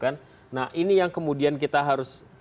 nah ini yang kemudian kita harus